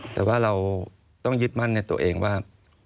แต่ว่าเราต้องยึดมั่นในตัวเองว่า